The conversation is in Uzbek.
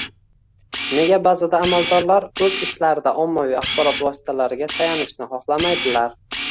Nega ba'zi amaldorlar o'z ishlarida ommaviy axborot vositalariga tayanishni xohlamaydilar?